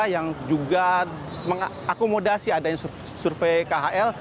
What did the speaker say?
yang juga mengakomodasi adanya survei khl